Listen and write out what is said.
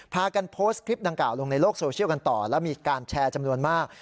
พากันโพสต์คลิปดังกล่าวลงในโลกโซเชียลกันต่อแล้วมีการแชร์จำนวนมาก